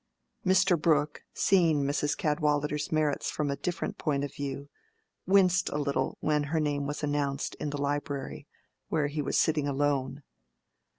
Mr. Brooke, seeing Mrs. Cadwallader's merits from a different point of view, winced a little when her name was announced in the library, where he was sitting alone.